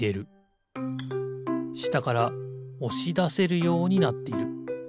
したからおしだせるようになっている。